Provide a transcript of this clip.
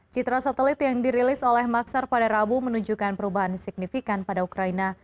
citra satelit yang dirilis oleh maksar pada rabu menunjukkan perubahan signifikan pada ukraina